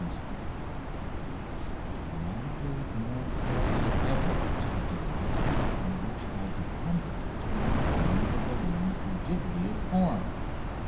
FIRST TRIP] I now gave more care than ever to the devices on which I depended to maintain the balloon's rigidity of form.